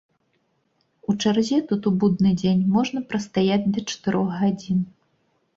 У чарзе тут у будны дзень можна прастаяць да чатырох гадзін.